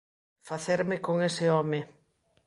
Facerme con ese home.